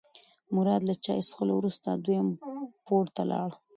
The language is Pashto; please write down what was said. مراد له چای څښلو وروسته دویم پوړ ته لاړ.